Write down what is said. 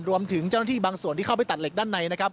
รวมถึงเจ้าหน้าที่บางส่วนที่เข้าไปตัดเหล็กด้านในนะครับ